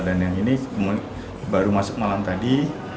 dan yang ini baru masuk malam tadi